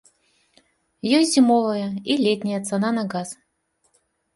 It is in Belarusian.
Ёсць зімовая і летняя цана на газ.